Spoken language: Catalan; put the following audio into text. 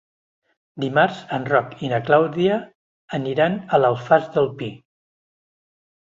Dimarts en Roc i na Clàudia aniran a l'Alfàs del Pi.